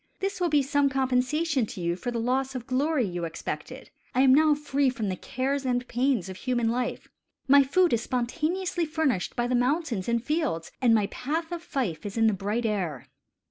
This will be some compensation to you for the loss of glory you expected. I am now free from the cares and pains of human life. My food is spontaneously furnished by the mountains and fields, and my path of fife is in the bright air."